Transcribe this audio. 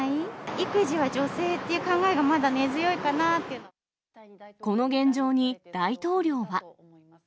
育児は女性という考えが、まだ根この現状に大統領は。